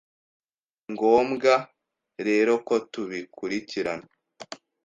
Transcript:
Ni ngombwa rero ko tubikurikirana